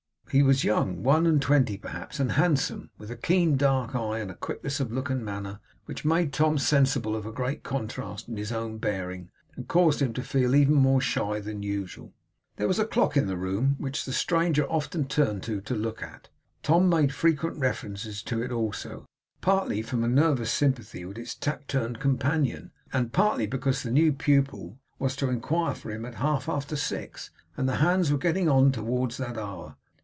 He was young one and twenty, perhaps and handsome; with a keen dark eye, and a quickness of look and manner which made Tom sensible of a great contrast in his own bearing, and caused him to feel even more shy than usual. There was a clock in the room, which the stranger often turned to look at. Tom made frequent reference to it also; partly from a nervous sympathy with its taciturn companion; and partly because the new pupil was to inquire for him at half after six, and the hands were getting on towards that hour.